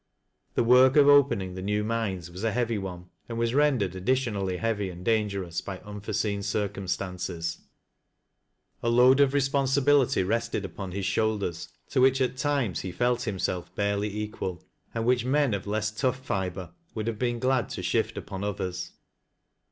The work of opening the new mines was a heavy one, and was rendered additionally hea\y and dangerous by unforeseen circumstances. A lead nl OUTSIDE TUM HEDGE. 47 responsibility rested upon his shoulders, to which at liiiies he felt liimself barely equal, and which men of less tough fiber would have been glad to shift upon others.